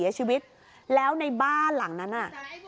พอหลังจากเกิดเหตุแล้วเจ้าหน้าที่ต้องไปพยายามเกลี้ยกล่อม